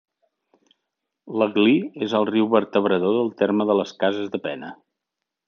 L'Aglí és el riu vertebrador del terme de les Cases de Pena.